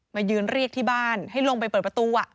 มายืนเรียกที่บ้านให้ลงไปเปิดประตู